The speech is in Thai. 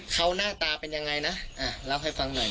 เขาหน้าตาเป็นยังไงนะเล่าให้ฟังหน่อย